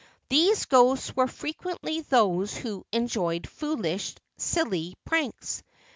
These ghosts were frequently those who enjoyed foolish, silly pranks.